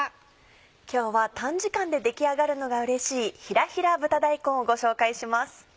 今日は短時間で出来上がるのがうれしい「ひらひら豚大根」をご紹介します。